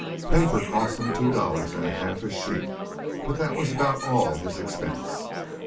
Paper cost him two dollars and a half a sheet; but that was about all his expense.